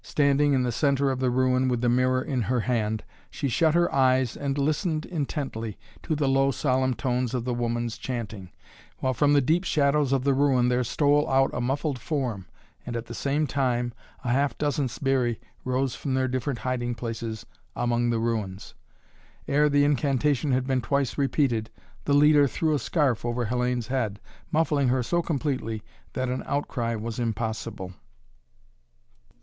Standing in the centre of the ruin with the mirror in her hand, she shut her eyes and listened intently to the low solemn tones of the woman's chanting, while from the deep shadows of the ruin there stole out a muffled form and at the same time a half dozen sbirri rose from their different hiding places among the ruins. Ere the incantation had been twice repeated, the leader threw a scarf over Hellayne's head, muffling her so completely that an outcry was impossible.